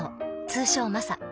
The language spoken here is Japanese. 通称マサ。